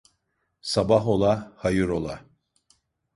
Sabah ola, hayır ola.